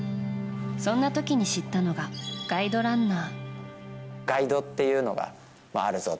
そんな時に知ったのがガイドランナー。